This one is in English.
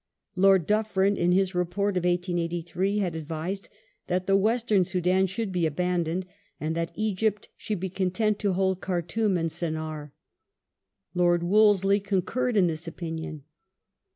Lord DufFerin, in his report of 1883, had advised that the Western Soudan should be abandoned, and that Egypt should be content to hold Khartoum and Sennaar. Lord Wolseley concurred in this opinion.